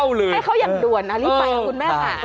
โอ้โหโอ้โห